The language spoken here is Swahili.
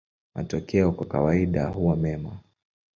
Matokeo kwa kawaida huwa mema.